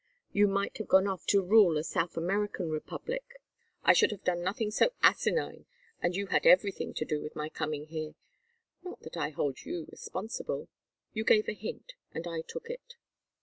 You might have gone off to rule a South American Republic " "I should have done nothing so asinine, and you had everything to do with my coming here. Not that I hold you responsible. You gave a hint, and I took it."